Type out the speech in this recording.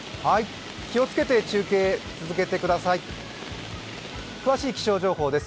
気をつけて中継続けてください。